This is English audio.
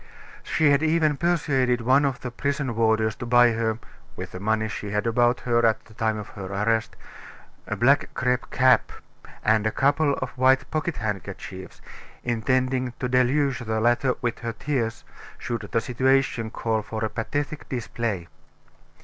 She had even persuaded one of the prison warders to buy her with the money she had about her at the time of her arrest a black crape cap, and a couple of white pocket handkerchiefs, intending to deluge the latter with her tears, should the situation call for a pathetic display.